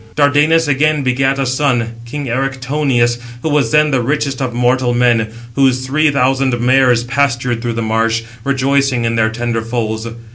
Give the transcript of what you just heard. Dardanus again begat a son, king Erichthonius, who was then the richest of mortal men; whose three thousand mares pastured through the marsh, rejoicing in their tender foals.